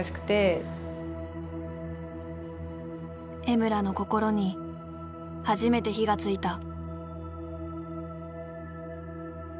江村の心に初めて火がついた。